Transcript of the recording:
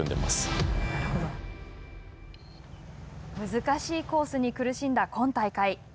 難しいコースに苦しんだ今大会。